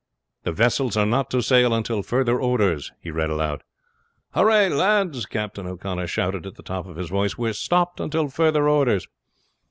'The vessels are not to sail until further orders,'" he read aloud. "Hooray, lads!" Captain O'Connor shouted at the top of his voice. "We are stopped until further orders."